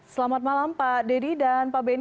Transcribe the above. selamat malam pak dedy dan pak benny